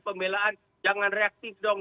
pembelaan jangan reaktif dong